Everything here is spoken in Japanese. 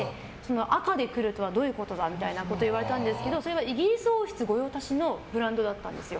赤で来るとはどういうことだみたいなことを言われたんですがそれはイギリス王室御用達のブランドだったんですよ。